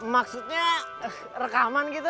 maksudnya rekaman gitu